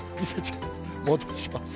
戻します。